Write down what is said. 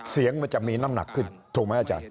เสียงมันจะมีน้ำหนักขึ้นถูกไหมอาจารย์